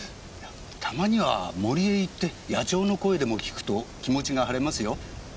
たまには森へ行って野鳥の声でも聞くと気持ちが晴れますよ。